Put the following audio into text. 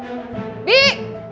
jangan kencane ini tempatnya